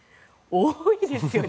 多いですよね。